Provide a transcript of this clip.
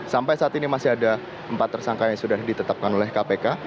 sampai saat ini masih ada empat tersangka yang sudah ditetapkan oleh kpk